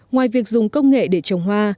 ngoài việc dùng công nghệ để trồng hoa